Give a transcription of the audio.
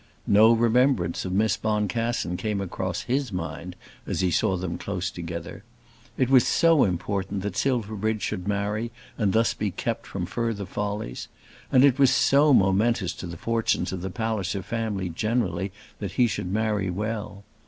No remembrance of Miss Boncassen came across his mind as he saw them close together. It was so important that Silverbridge should marry and thus be kept from further follies! And it was so momentous to the fortunes of the Palliser family generally that he should marry well!